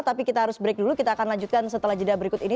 tapi kita harus break dulu kita akan lanjutkan setelah jeda berikut ini